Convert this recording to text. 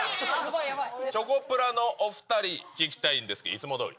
チョコプラのお２人、聞きたいんですけど、いつもどおり？